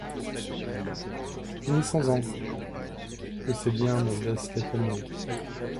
Finissons-en, que ces liens me blessent les poignets.